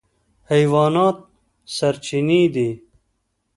حیوانات سرچینې دي.